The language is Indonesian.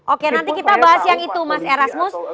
oke nanti kita bahas yang itu mas erasmus